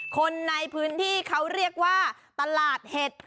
คนในพื้นที่เขาเรียกว่าตลาดเห็ด